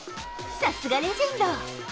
さすがレジェンド。